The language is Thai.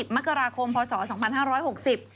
๒๐มกรคมพศ๒๕๖๐